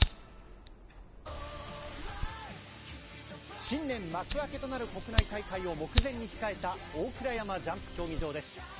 新年幕開けとなる国内大会を目前に控えた大倉山ジャンプ競技場です。